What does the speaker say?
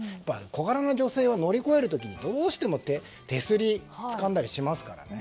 小柄な女性は乗り越える時にどうしても手すりをつかんだりしますからね。